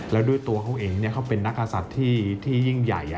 แล้วด้วยตัวเขาเองเขาเป็นนักกษัตริย์ที่ยิ่งใหญ่